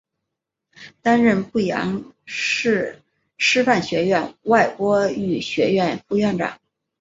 担任阜阳师范学院外国语学院副院长。